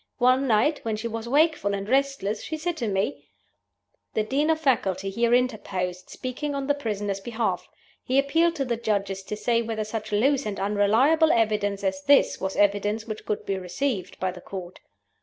One night, when she was wakeful and restless, she said to me " The Dean of Faculty here interposed, speaking on the prisoner's behalf. He appealed to the Judges to say whether such loose and unreliable evidence as this was evidence which could be received by the Court.